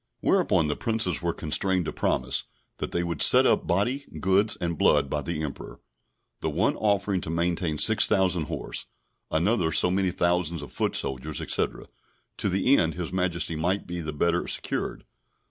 Whereupon the princes were constrained to promise, that they would set up body, goods, and blood by the Emperor, the one offering to maintain 6,000 horse, another so many thousands of foot soldiers, etc., to the end His Majesty might be the better secured.